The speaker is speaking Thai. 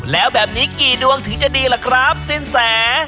แล้วแบบนี้กี่ดวงถึงจะดีล่ะครับสินแส